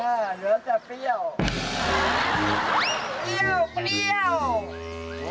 เหลือจะเปรี้ยว